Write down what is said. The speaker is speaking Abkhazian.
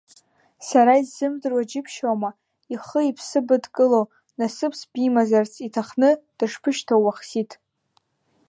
Сара исзымдыруа џьыбшьома, ихы иԥсы быдкыло, насыԥс бимазарц иҭахны дышбышьҭоу Уахсиҭ.